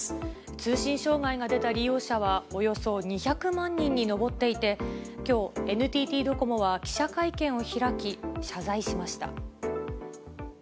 通信障害が出た利用者はおよそ２００万人に上っていて、きょう、ＮＴＴドコモは記者会見を開き、謝罪しました。